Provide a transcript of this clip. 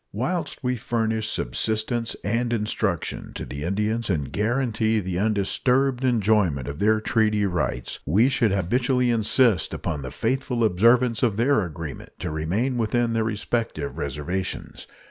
Whilst we furnish subsistence and instruction to the Indians and guarantee the undisturbed enjoyment of their treaty rights, we should habitually insist upon the faithful observance of their agreement to remain within their respective reservations.